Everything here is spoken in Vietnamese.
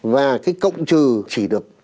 và cái cộng trừ chỉ được